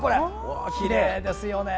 きれいですよね。